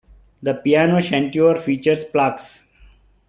The piano chanteur features plaques.